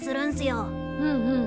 うんうん。